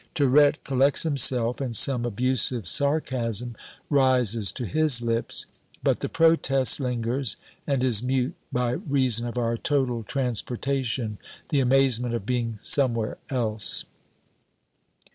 Tirette collects himself, and some abusive sarcasm rises to his lips; but the protest lingers and is mute by reason of our total transportation, the amazement of being somewhere else.